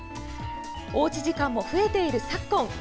おうち時間も増えている、昨今。